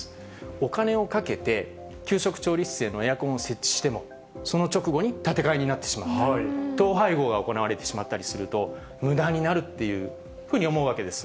お金をかけて、給食調理室へのエアコンを設置しても、その直後に建て替えになってしまう、統廃合が行われてしまったりすると、むだになるっていうふうに思うわけです。